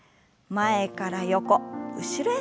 前から横後ろへ。